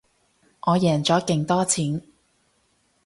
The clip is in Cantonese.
我贏咗勁多錢